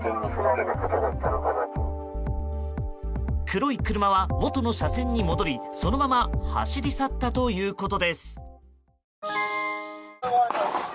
黒い車は、元の車線に戻りそのまま走り去ったということです。